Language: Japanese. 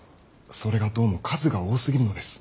それがどうも数が多すぎるのです。